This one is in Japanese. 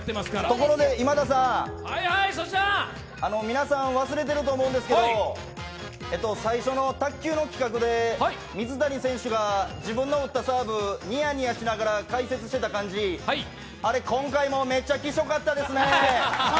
ところで今田さん、皆さん忘れてると思うんですけど、最初の卓球の企画で水谷選手が自分の打ったサーブ、ニヤニヤしながら解説していた感じ、あれ今回もめっちゃキショかったですね。